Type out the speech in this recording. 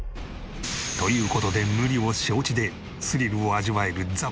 という事で無理を承知でスリルを味わえるＴＨＥ